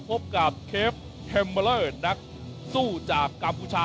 พบกับเคฟแฮมเบิลเลอร์นักสู้จากกาปูชา